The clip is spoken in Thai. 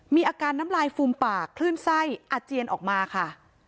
มีอาการน้ำลายฟูมปากคลื่นไส้อาเจียนออกมาค่ะ